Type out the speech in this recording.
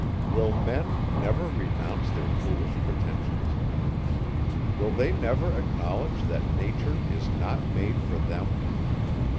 Will men never renounce their foolish pretensions? Will they never acknowledge that nature is not made for them?